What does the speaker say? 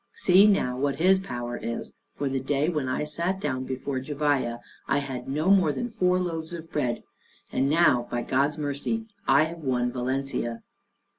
See now what his power is, for the day when I sat down before Juballa I had no more than four loaves of bread, and now by God's mercy I have won Valencia.